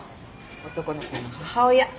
男の子の母親。